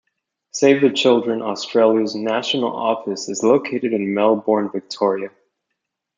Save the Children Australia's national office is located in Melbourne, Victoria.